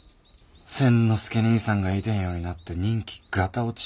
千之助にいさんがいてへんようになって人気ガタ落ちや。